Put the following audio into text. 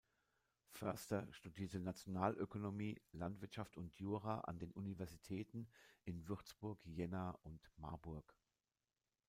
Förster studierte Nationalökonomie, Landwirtschaft und Jura an den Universitäten in Würzburg, Jena und Marburg.